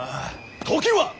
時は！